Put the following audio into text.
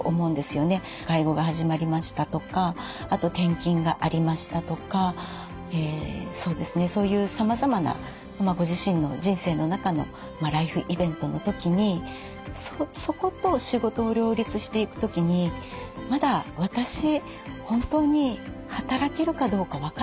介護が始まりましたとかあと転勤がありましたとかそういうさまざまなご自身の人生の中のライフイベントの時にそこと仕事を両立していく時にまだ私こうやって言って頂けると心強いですね。